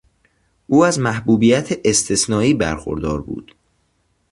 او از محبوبیت استثنایی برخوردار بود.